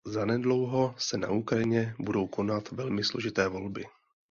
Zanedlouho se na Ukrajině budou konat velmi složité volby.